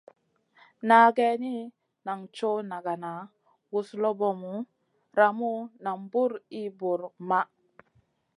Na geyni, nan coʼ nagana, guzlobomu, ramu nam buw ir buwr maʼh.